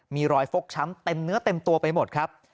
มีรอยฟกช้ำเต็มเนื้อเต็มตัวไปหมดครับ